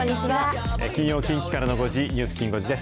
金曜、近畿からの５時、ニュースきん５時です。